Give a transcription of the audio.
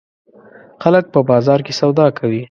خلک په بازار کې سودا کوي.